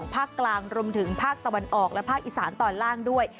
ภาคกลางรวมถึงภาคตะวันออกและภาคอีสานตอนล่างด้วย